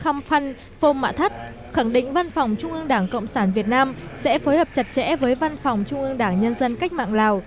đồng chí khăm phăn phôm mạ thắt khẳng định văn phòng trung ương đảng cộng sản việt nam sẽ phối hợp chặt chẽ với văn phòng trung ương đảng nhân dân cách mạng lào